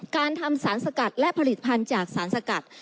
การทำสารสกัดและผลิตภัณฑ์จากสารสกัด